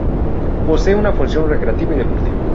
Posee una función recreativa y deportiva.